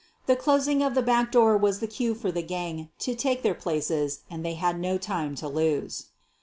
The closing of the back door was the cue for the gang to take their places and they had no time to lose.